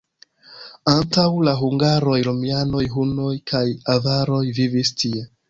Antaŭ la hungaroj romianoj, hunoj kaj avaroj vivis tie.